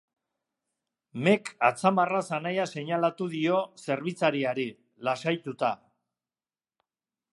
MEK atzamarraz anaia seinalatu dio zerbitzariari, lasaituta.